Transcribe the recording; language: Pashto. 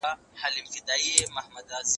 احمد ښکنځل راته وکړه باره ما هم جواب ورکړی